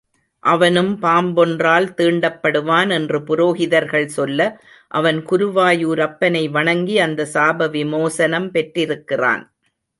அவனும் பாம்பொன்றால் தீண்டப் படுவான் என்று புரோகிதர்கள் சொல்ல, அவன் குருவாயூரப்பனை வணங்கி அந்த சாப விமோசனம் பெற்றிருக்கிறான்.